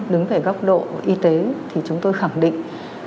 đứng về góc độ y tế thì chúng tôi khẳng định